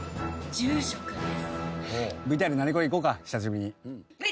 「ＶＴＲナニコレ」いこうか久しぶりに。